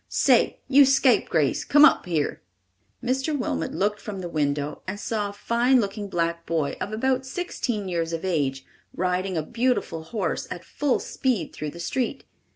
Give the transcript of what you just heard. Say, you scapegrace, come up here!" Mr. Wilmot looked from the window and saw a fine looking black boy of about sixteen years of age riding a beautiful horse at full speed through the street.